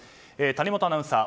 谷元アナウンサー